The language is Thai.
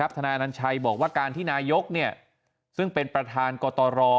ทนายอนัญชัยบอกว่าการที่นายกซึ่งเป็นประธานกตร